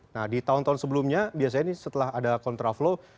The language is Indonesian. nah di tahun tahun sebelumnya biasanya ini setelah ada kontraflow